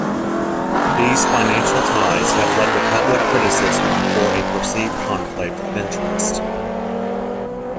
These financial ties have led to public criticism for a perceived conflict of interest.